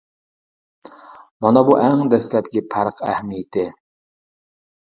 مانا بۇ ئەڭ دەسلەپكى پەرق ئەھمىيىتى.